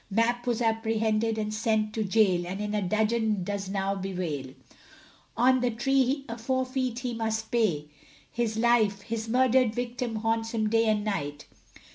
Mapp was apprehended and sent to gaol, And in a dungeon does now bewail; On the tree a forfeit he must pay, his life, His murdered victim haunts him day and night.